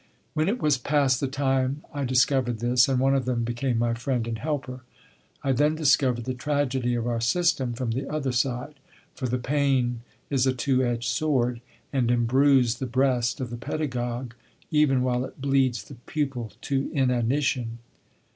When it was past the time I discovered this, and one of them became my friend and helper. I then discovered the tragedy of our system from the other side. For the pain is a two edged sword, and imbrues the breast of the pedagogue even while it bleeds the pupil to inanition.